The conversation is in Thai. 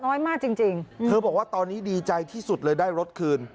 มากจริงจริงเธอบอกว่าตอนนี้ดีใจที่สุดเลยได้รถคืน